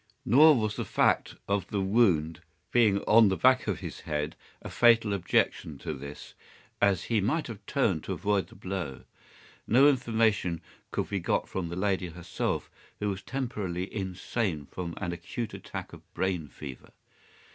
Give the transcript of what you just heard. Nor was the fact of the wound being on the back of his head a fatal objection to this, as he might have turned to avoid the blow. No information could be got from the lady herself, who was temporarily insane from an acute attack of brain fever.